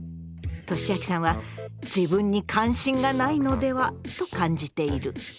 としあきさんは自分に関心がないのではと感じている。